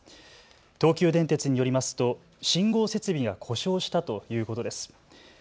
東急電鉄によりますと信号設備が故障したということです。